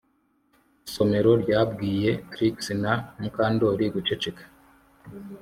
Isomero ryabwiye Trix na Mukandoli guceceka